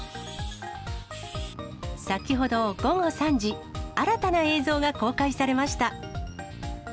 先ほど午後３時、新たな映像が公開されました。